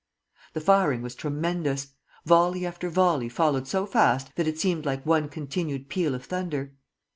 The firing was tremendous. Volley after volley followed so fast that it seemed like one continued peal of thunder.